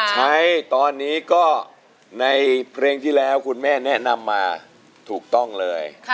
ใช้ตอนนี้ก็ในเพลงที่แล้วคุณแม่แนะนำมาถูกต้องเลย